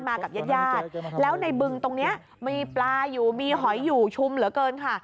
กับญาติญาติแล้วในบึงตรงนี้มีปลาอยู่มีหอยอยู่ชุมเหลือเกินค่ะ